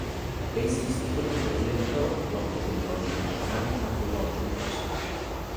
Basis ইতিমধ্যে উল্লিখিত লক্ষ্যগুলি অর্জনে সামান্য সাফল্য অর্জন করেছে।